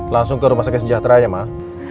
langsung ke rumah sakit sejahteranya mah